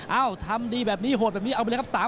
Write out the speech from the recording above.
เอ้าทำดีแบบนี้โหดแบบนี้เอาไปเลยครับ